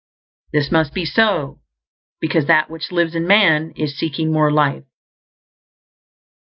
This must be so, because That which lives in man is seeking more life.